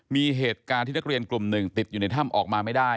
มีเหตุการณ์ที่นักเรียนกลุ่มหนึ่งติดอยู่ในถ้ำออกมาไม่ได้